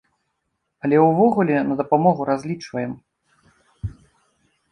Але ўвогуле на дапамогу разлічваем.